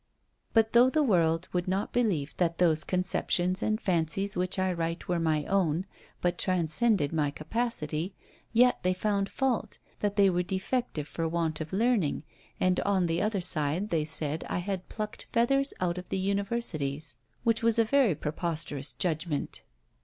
But though the world would not believe that those conceptions and fancies which I writ were my own, but transcended my capacity, yet they found fault, that they were defective for want of learning, and on the other side, they said I had pluckt feathers out of the universities; which was a very preposterous judgment.